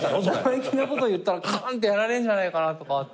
生意気なこと言ったらカーンってやられんじゃないかなとかって。